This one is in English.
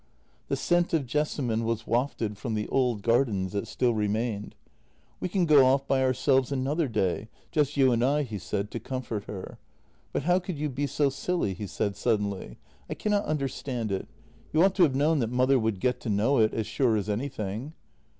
The scent of jessamine was wafted from the old gardens that still remained. "We can go off by ourselves another day — just you and I," he said, to comfort her. " But how could you be so silly? " he said suddenly. " I cannot understand it. You ought to have known that mother would get to know it — as sure as anything."